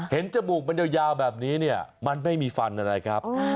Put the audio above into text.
เห็นจมูกมันยาวแบบนี้มันไม่มีฟันอะไรครับ